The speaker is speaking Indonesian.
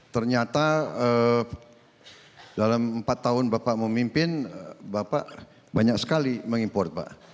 ternyata dalam empat tahun bapak memimpin bapak banyak sekali mengimport pak